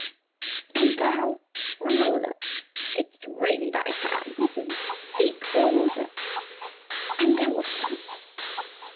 And thou, Romola, didst wring thy hands and seek for water, and there was none.